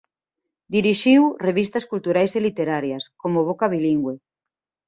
Dirixiu revistas culturais e literarias como "Boca Bilingüe".